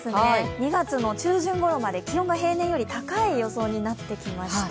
２月の中旬ごろまで、気温が平年より高い予想になってきました。